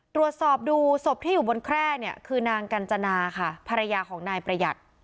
ตรวจสอบดูศพที่อยู่บนแคร่เนี่ยคือนางกัญจนาค่ะภรรยาของนายประหยัด